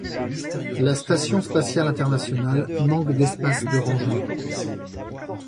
La station spatiale internationale manque d'espace de rangement.